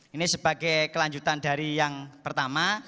ini sebagai kelanjutan dari yang pertama